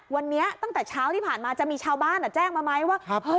วันนี้ตั้งแต่เช้าที่ผ่านมาจะมีชาวบ้านแจ้งมาไหมว่า